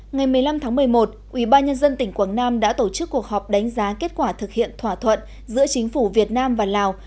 ngày một mươi năm tháng một mươi một ubnd tỉnh quảng nam đã tổ chức cuộc họp đánh giá kết quả thực hiện thỏa thuận giữa chính phủ việt nam và lào